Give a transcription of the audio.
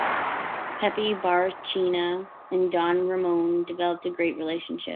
Pepe Barrachina and Don Ramon developed a great relationship.